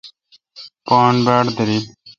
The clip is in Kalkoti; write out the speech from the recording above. پان باڑ داریل۔